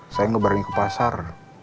saya ngeberani ke pasar